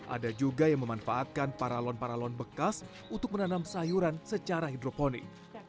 ada juga yang memanfaatkan paralon paralon bekas untuk menanam sayuran secara hidroponik